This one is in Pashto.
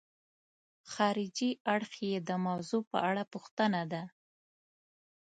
خارجي اړخ یې د موضوع په اړه پوښتنه ده.